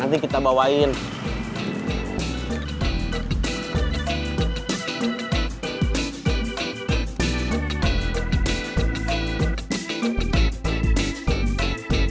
untuk makan keselamatan bukan kecepatan